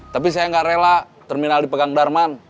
tapi saya nggak rela terminal dipegang darman